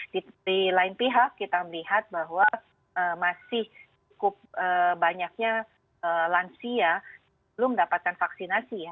di lain pihak kita melihat bahwa masih cukup banyaknya lansia belum mendapatkan vaksinasi ya